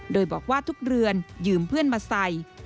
โดยบอกว่าทุกเรือนยืมเพื่อนมาใส่